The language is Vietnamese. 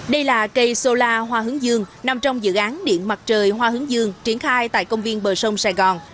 đây là cây solar hoa hướng dương nằm trong dự án điện mặt trời hoa hướng dương triển khai tại công viên bờ sông sài gòn